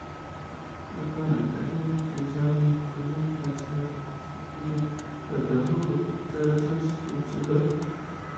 Actualmente es muy utilizado en instituciones financieras donde se tiene alto flujo transaccional.